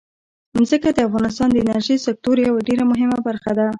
ځمکه د افغانستان د انرژۍ سکتور یوه ډېره مهمه برخه ده.